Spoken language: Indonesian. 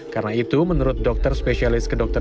karena itu menurut dokter spesialis kedokteran